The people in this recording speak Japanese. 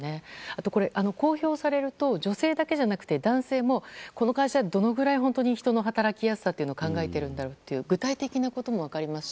あと、公表されると女性だけじゃなくて男性もこの会社どれぐらいの人の働きやすさを考えているんだろうという具体的なこともあります